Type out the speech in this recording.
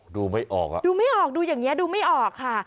ดูไม่ออกอ่ะดูไม่ออกดูอย่างนี้ดูไม่ออกค่ะ